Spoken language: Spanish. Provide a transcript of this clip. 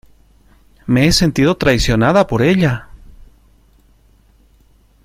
me he sentido traicionada por ella.